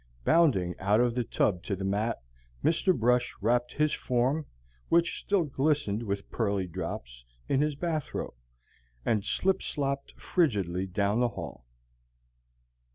Bounding out of the tub to the mat, Mr. Brush wrapped his form, which still glistened with pearly drops, in his bath robe, and slip slopped frigidly down the hall.